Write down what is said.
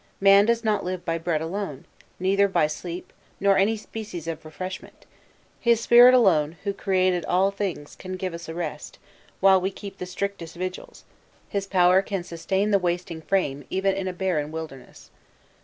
'Man does not live by bread alone;' neither by sleep, nor any species of refreshment. His Spirit alone, who created all things, can give us a rest, while we keep the strictest vigils; His power can sustain the wasting frame, even in a barren wilderness."